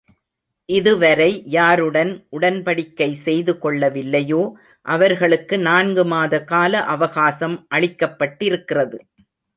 இதுவரை யாருடன் உடன்படிக்கை செய்து கொள்ளவில்லையோ, அவர்களுக்கு நான்கு மாத கால அவகாசம் அளிக்கப்பட்டிருக்கிறது.